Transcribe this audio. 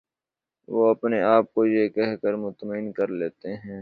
وہ اپنے آپ کو یہ کہہ کر مطمئن کر لیتے ہیں